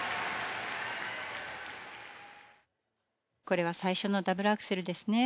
これは最初のダブルアクセルですね。